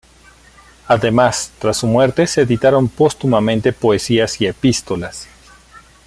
Además tras su muerte se editaron póstumamente poesías y epístolas.